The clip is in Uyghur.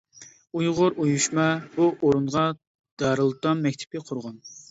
ئۇيغۇر ئۇيۇشما بۇ ئورۇنغا دارىلئېتام مەكتىپى قۇرغان.